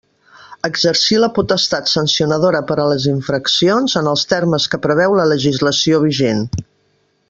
Exercir la potestat sancionadora per a les infraccions en els termes que preveu la legislació vigent.